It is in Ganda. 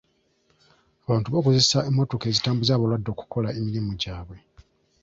Abantu bakozesa emmotoka ezitambuza abalwadde okukola emirimu gyabwe.